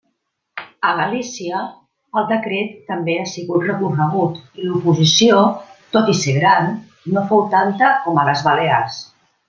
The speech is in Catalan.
A Galícia, el decret també ha sigut recorregut i l'oposició, tot i ser gran, no fou tanta com a les Balears.